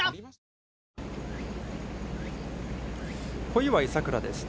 小祝さくらです。